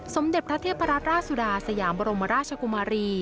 สมเด็จพระเทพรัตราชสุดาสยามบรมราชกุมารี